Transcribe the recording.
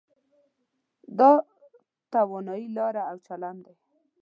دا تاواني لاره او چلن دی.